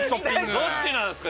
どっちなんですか？